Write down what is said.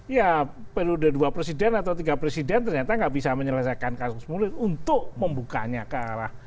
ya periode dua presiden atau tiga presiden ternyata nggak bisa menyelesaikan kasus mulut untuk membukanya ke arah